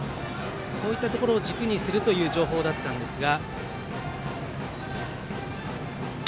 こういうところを軸にするという情報だったんですが。